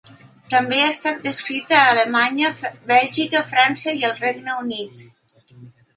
També ha estat descrita a Alemanya, Bèlgica, França i el Regne Unit.